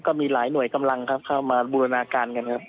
ก็มีหลายหน่วยกำลังครับเข้ามาบูรณาการกันครับ